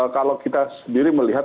kalau kita sendiri melihat